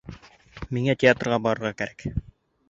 Миңә театрға барырға кәрәк